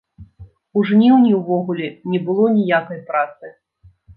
У жніўні ўвогуле не было ніякай працы.